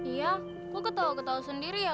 iya kok ketawa ketawa sendiri ya